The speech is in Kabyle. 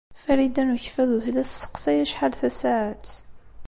Farida n Ukeffadu tella tesseqsay acḥal tasaɛet.